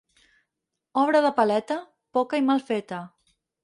Obra de paleta, poca i mal feta.